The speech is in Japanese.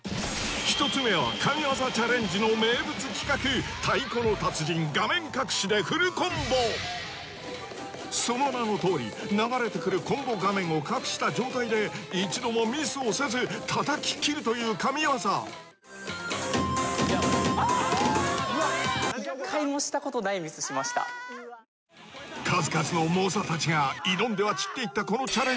１つ目は神業チャレンジの名物企画その名のとおり流れてくるコンボ画面を隠した状態で一度もミスをせずたたききるという神業数々の猛者たちが挑んでは散っていったこのチャレンジ